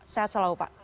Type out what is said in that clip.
sehat selalu pak